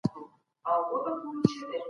زه کولای سم چي پخپله ویبپاڼه جوړه کړم.